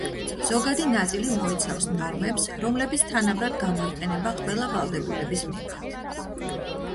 ზოგადი ნაწილი მოიცავს ნორმებს, რომლებიც თანაბრად გამოიყენება ყველა ვალდებულების მიმართ.